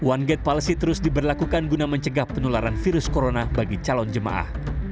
one gate policy terus diberlakukan guna mencegah penularan virus corona bagi calon jemaah